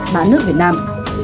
mã nước việt nam